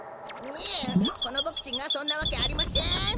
このボクちんがそんなわけありません！